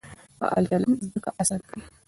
فعال چلند زده کړه اسانه کوي.